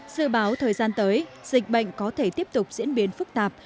dự báo thời gian tới dịch bệnh có thể tiếp tục diễn biến phức tạp